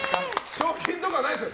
賞金とかはないですよ。